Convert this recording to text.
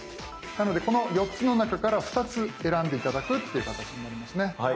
なのでこの４つの中から２つ選んで頂くっていう形になりますね。